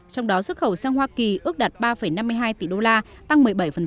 trong đó xuất khẩu sang hoa kỳ ước đạt ba năm mươi hai tỷ đô la tăng một mươi bảy